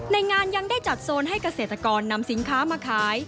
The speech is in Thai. งานยังได้จัดโซนให้เกษตรกรนำสินค้ามาขาย